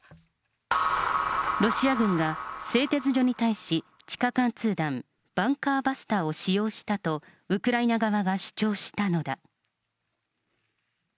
ロシア軍が製鉄所に対し、地下貫通弾、バンカーバスターを使用したと、ウクライナ側が主張したのだ。